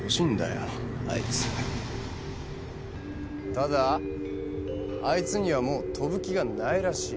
ただあいつにはもう跳ぶ気がないらしい。